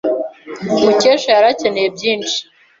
Mukesha yari akeneye byinshi.